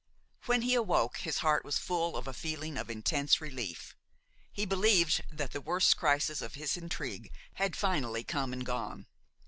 When he awoke, his heart was full of a feeling of intense relief; he believed that the worst crisis of his intrigue had finally come and gone.